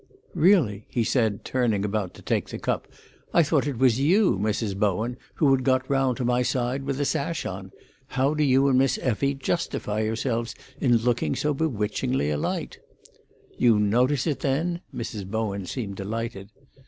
"Really," he said, turning about to take the cup, "I thought it was you, Mrs. Bowen, who had got round to my side with a sash on. How do you and Miss Effie justify yourselves in looking so bewitchingly alike?" "You notice it, then?" Mrs. Bowen seemed delighted.